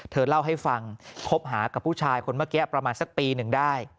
เธอเล่าให้ฟังคบหากับผู้ชายคนเมื่อกี้ประมาณสักปีหนึ่งได้